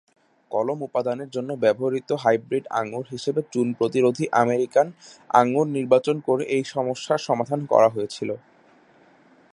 কলম উপাদানের জন্য ব্যবহৃত হাইব্রিড আঙ্গুর হিসেবে চুন-প্রতিরোধী আমেরিকান আঙ্গুর নির্বাচন করে এই সমস্যার সমাধান করা হয়েছিল।